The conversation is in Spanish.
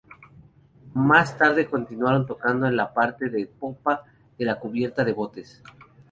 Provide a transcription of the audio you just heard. Más tarde continuaron tocando en la parte de popa de la cubierta de botes.